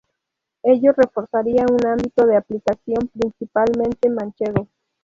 Ello reforzaría un ámbito de aplicación principalmente Manchego.